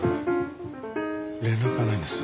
連絡がないんです。